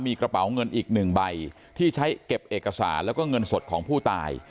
มีกระเป๋าเงินอีกหนึ่งใบที่ใช้เก็บเอกสารแล้วก็เงินสดของผู้ตาย